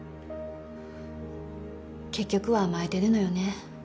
結局は甘えてるのよね。